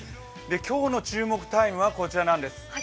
今日の注目タイムはこちらなんです。